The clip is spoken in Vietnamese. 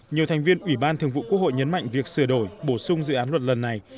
nhiều thành viên ủy ban thường vụ quốc hội nhấn mạnh việc sửa đổi bổ sung dự án luật lần này